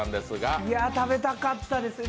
食べたかったんですが。